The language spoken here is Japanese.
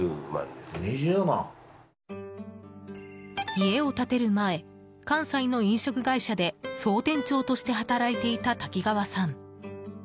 家を建てる前関西の飲食会社で総店長として働いていた滝川さん。